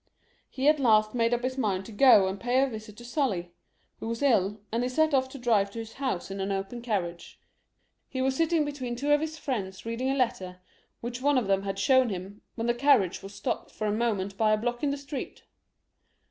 He at' last made up his mind to go and pay a visit to SuUy, who was ill, and he set off to drive to his house in an open car riage. He was sitting between two of liis friends reading I i • XLi.] HENRY IV. 316 a letter, which one of them had shown to him, when the carriage was stopped for a moment by a block in the street.